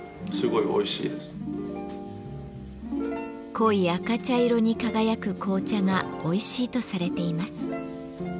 濃い赤茶色に輝く紅茶がおいしいとされています。